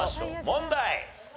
問題。